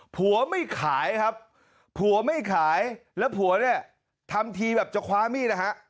ผัวไม่ขายครับผัวไม่ขายแล้วผัวเนี่ยทำทีแบบจะคว้ามีดนะฮะ